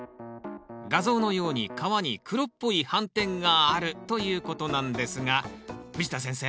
画像のように皮に黒っぽい斑点があるということなんですが藤田先生